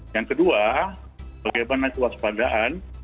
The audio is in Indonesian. yang kedua bagaimana kewaspadaan